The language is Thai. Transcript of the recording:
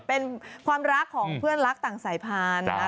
เป็นความรักของเพื่อนรักต่างสายพันธุ์